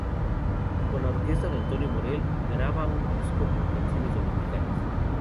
Con la orquesta de Antonio Morel, graba un disco con canciones dominicanas.